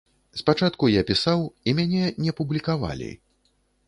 Спачатку я пісаў і мяне не публікавалі.